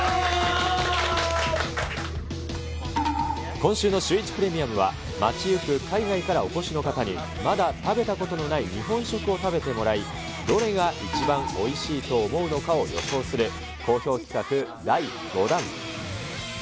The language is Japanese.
今週のシューイチプレミアムは、街行く海外からお越しの方に、まだ食べたことのない日本食を食べてもらい、どれが一番おいしいと思うのかを予想する好評企画第５弾。